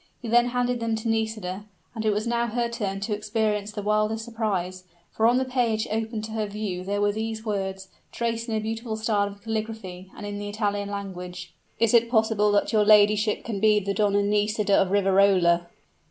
He then handed them to Nisida; and it was now her turn to experience the wildest surprise for on the page opened to her view were these words, traced in a beautiful style of calligraphy, and in the Italian language: "Is it possible that your ladyship can be the Donna Nisida of Riverola?"